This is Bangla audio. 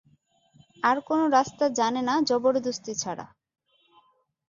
আর কোনো রাস্তা জানে না জবরদস্তি ছাড়া।